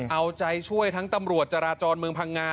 เอาใจช่วยทั้งตำรวจจราจรเมืองพังงา